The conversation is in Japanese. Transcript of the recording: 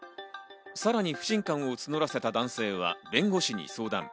さらに不信感を募らせた男性は弁護士に相談。